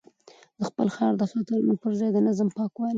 او خپل ښار د خطرونو پر ځای د نظم، پاکوالي